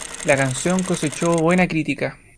La canción cosechó buena crítica.